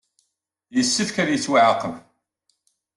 Yessefk ad yettwaɛaqeb.